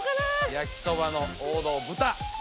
焼きそばの王道豚。